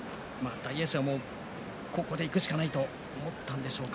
大栄翔はここでいくしかないと思ったんでしょうか。